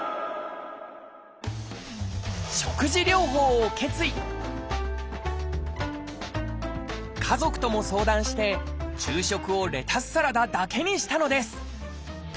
食事療法を決意家族とも相談して昼食をレタスサラダだけにしたのです。